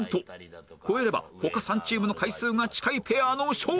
超えれば他３チームの回数が近いペアの勝利！